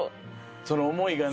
その思いがね。